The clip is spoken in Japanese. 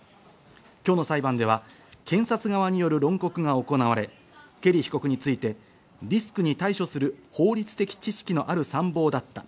今日の裁判では検察側による論告が行われケリー被告について、リスクに対処する法律的知識のある参謀だった。